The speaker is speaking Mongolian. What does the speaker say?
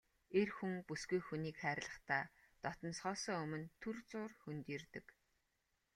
Эр хүн бүсгүй хүнийг хайрлахдаа дотносохоосоо өмнө түр зуур хөндийрдөг.